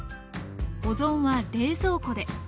保存は冷蔵庫で。